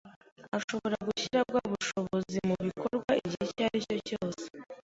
ashobora gushyira bwa bushobozi mu bikorwa igihe icyo aricyo cyose